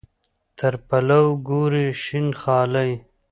تر پلو ګوري شین خالۍ.